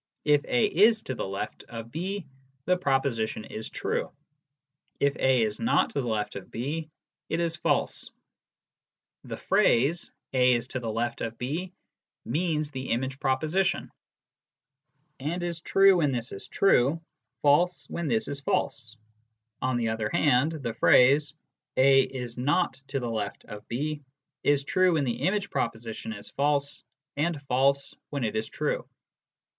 If A is to the left of B, the proposition is true ; if A is not to the left of B, it is false. The phrase " A is to the left of B " means the image proposition, and is true when this is true, false when this is false ; on the other hand, the phrase " A is not to the left of B " is true when the image proposition is false, and false when it is true.